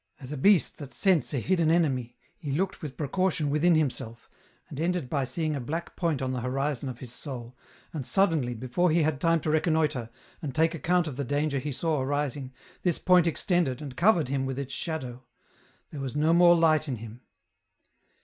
As a beast that scents a hidden enemy, he looked with precaution within himself, and ended by seeing a black point on the horizon of his soul, and suddenly, before he had time to reconnoitre, and take account of the danger he saw arising, this point extended, and covered him with its shadow ; there was no more light in him.